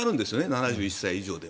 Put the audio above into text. ７１歳以上は。